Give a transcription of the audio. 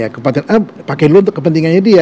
kabupaten a pakai lu untuk kepentingannya dia